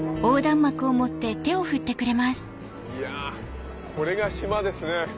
いやこれが島ですね。